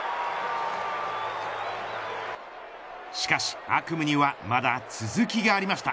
しかし悪夢にはまだ続きがありました。